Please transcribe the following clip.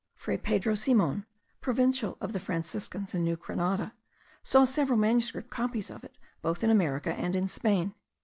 Fray Pedro Simon, Provincial of the Franciscans in New Grenada, saw several manuscript copies of it both in America and in Spain.